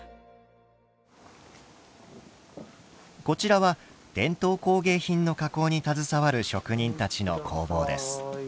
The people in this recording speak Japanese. こちらは伝統工芸品の加工に携わる職人たちの工房です。